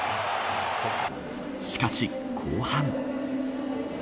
しかし、後半。